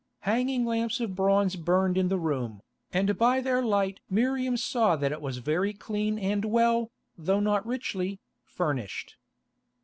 Hanging lamps of bronze burned in the room, and by their light Miriam saw that it was very clean and well, though not richly, furnished.